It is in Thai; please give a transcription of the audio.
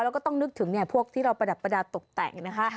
แล้วก็ต้องนึกถึงพวกที่เราประดับประดาษตกแต่งนะคะ